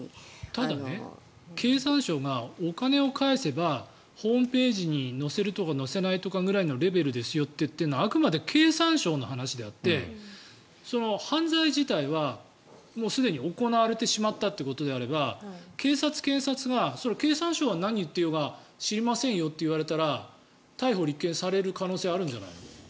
ただ、経産省がお金を返せばホームページに載せるとか載せないとかぐらいのレベルですよと言ってるのはあくまで経産省の話であってその犯罪自体はすでに行われてしまったということであれば警察、検察が経産省が何言ってようが知りませんよと言われたら逮捕・立件される可能性あるんじゃないの？